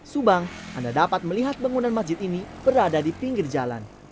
subang anda dapat melihat bangunan masjid ini berada di pinggir jalan